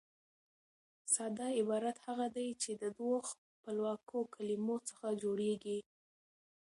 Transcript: ساده عبارت هغه دئ، چي د دوو خپلواکو کلیمو څخه جوړ يي.